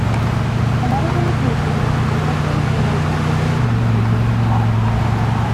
Another limitation was the monochrome image that the technology could produce.